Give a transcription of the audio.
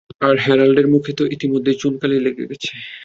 আর, হ্যারল্ডের মুখে তো ইতোমধ্যেই চুনকালি লেগে গেছে।